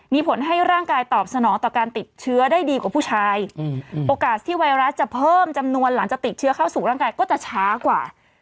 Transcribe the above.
มีผลให้ร่างกายตอบสนองต่อการติดเชื้อได้ดีกว่าผู้ชายโอกาสที่ไวรัสจะเพิ่มจำนวนหลังจากติดเชื้อเข้าสู่ร่างกายก็จะช้ากว่า